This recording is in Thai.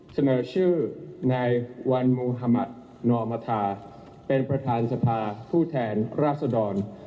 เสนอชื่อนายวันมุธมัธนอมธาเป็นประธานสภาผู้แทนราษดร